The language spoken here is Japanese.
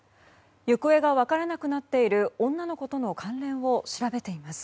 行方が分からなくなっている女の子との関連を調べています。